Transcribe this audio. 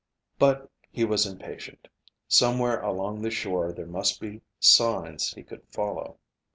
But he was impatient. Somewhere along the shore there must be signs he could follow.